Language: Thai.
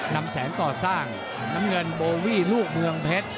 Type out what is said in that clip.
นำแสงก่อสร้างน้ำเงินโบวี่ลูกเมืองเพชร